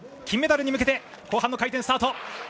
金メダルに向けて後半の回転スタート。